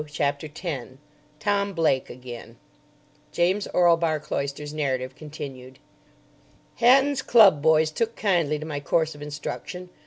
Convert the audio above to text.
CHAPTER 10 TOM BLAKE AGAIN (James Orlebar Cloyster's narrative continued) Hatton's Club boys took kindly to my course of instruction.